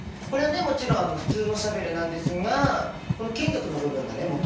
これはねもちろん普通のシャベルなんですがこの金属の部分がね